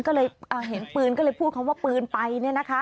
ก็เลยเห็นปืนก็เลยพูดคำว่าปืนไป